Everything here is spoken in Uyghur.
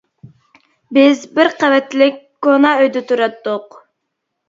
بىز بىر قەۋەتلىك، كونا ئۆيدە تۇراتتۇق.